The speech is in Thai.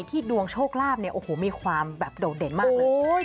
ที่ดวงโชคลาภมีความโดดเด่นมากเลย